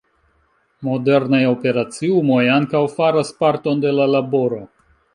Modernaj operaciumoj ankaŭ faras parton de la laboro.